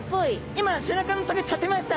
今背中の棘立てました。